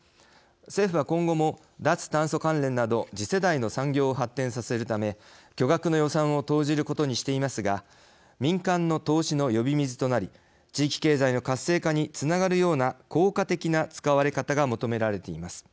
政府は今後も脱炭素関連など次世代の産業を発展させるため巨額の予算を投じることにしていますが民間の投資の呼び水となり地域経済の活性化につながるような効果的な使われ方が求められています。